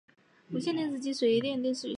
无线电视线上随点视讯